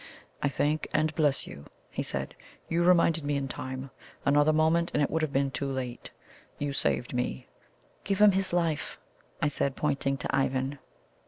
"I thank and bless you," he said; "you reminded me in time! Another moment and it would have been too late. You have saved me." "Give him his life," I said, pointing to Ivan.